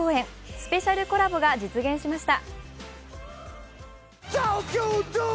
スペシャルコラボが実現しました。